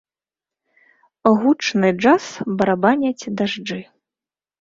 Гучны джаз барабаняць дажджы.